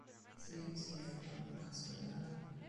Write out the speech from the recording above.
Siehe: City of London Pressemitteilung.